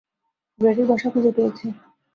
গ্রেডির বাসা খুঁজে পেয়েছি।